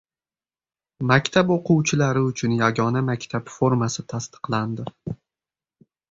Maktab o‘quvchilari uchun yagona maktab formasi tasdiqlandi